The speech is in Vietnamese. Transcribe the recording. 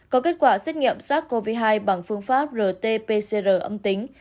có kết quả xét nghiệm sát covid hai bằng phương pháp rt pcr âm tính